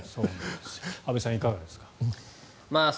安部さん、いかがですか？